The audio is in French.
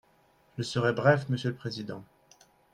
Je serai bref, monsieur le président.